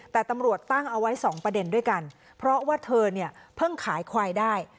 แต่ตำรวจตั้งเอาไว้สองประเด็นด้วยกันเพราะว่าเธอเนี่ยเพิ่งขายควายได้